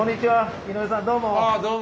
井上さんどうも。